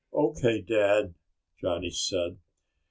"O.K., Dad," Johnny said.